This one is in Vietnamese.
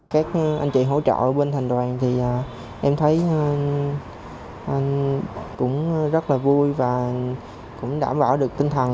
các anh chị hỗ trợ bên thành đoàn thì em thấy cũng rất là vui và cũng đảm bảo được tinh thần